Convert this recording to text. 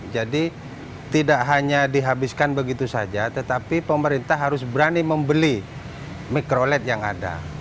jadi tidak hanya dihabiskan begitu saja tetapi pemerintah harus berani membeli mikroled yang ada